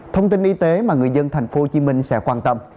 thông tin y tế mà người dân tp hcm sẽ quan tâm